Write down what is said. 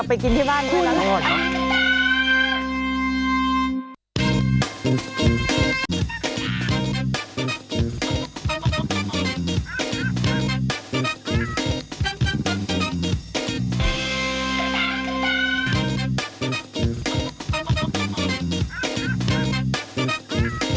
เดี๋ยวต้องเอาสาลายกลับไปกินที่บ้านกันแล้วนะครับ